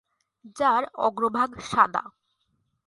যার অগ্রভাগ সাদা।